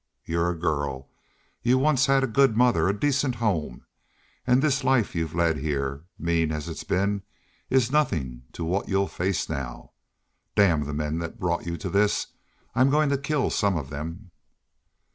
You're a girl.... You once had a good mother a decent home. And this life you've led here mean as it's been is nothin' to what you'll face now. Damn the men that brought you to this! I'm goin' to kill some of them."